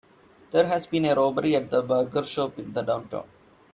There has been a robbery at the burger shop in downtown.